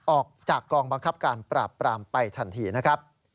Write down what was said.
ออกจากกองบังคับการปราบปรามไปทันทีนะครับ